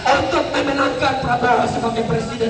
untuk memenangkan prabowo sebagai presiden